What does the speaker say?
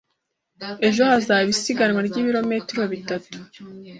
Ejo hazaba isiganwa ryibirometero bitatu.